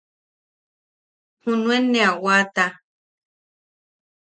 Junuen ne a waata.